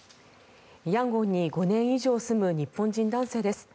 ヤンゴンに５年以上住む日本人男性です。